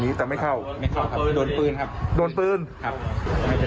แต่ไม่เข้าไม่เข้าครับโดนปืนครับโดนปืนครับไม่เจอ